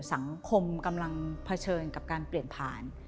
สังคมกำลังเผชิญกับการเปลี่ยนผ่าน